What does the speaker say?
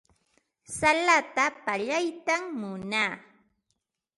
Salata pallaytam munaa.